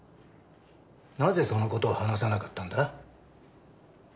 なぜその事を話さなかったんだ？